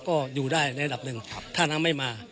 ก็อยู่ได้ในระดับหนึ่งถ้าน้ำไม่มา